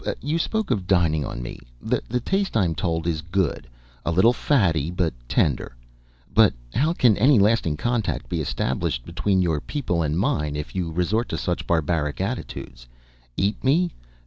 You spoke of dining on me. The taste, I am told, is good. A little fatty, but tender. But how can any lasting contact be established between your people and mine if you resort to such barbaric attitudes? Eat me?